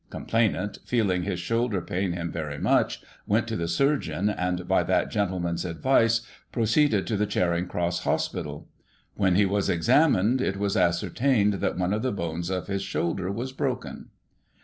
Complainant, feeling his shoulder pain him very much, went to the surgeon, and, by that gentle man's advice, proceeded to the Charing Cross Hospital. When he was examined, it was ascertained that one of the bones of his shoulder was broken.